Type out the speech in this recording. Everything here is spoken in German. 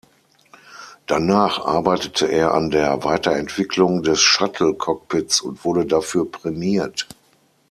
Danach arbeitete er an der Weiterentwicklung des Shuttle-Cockpits und wurde dafür prämiert.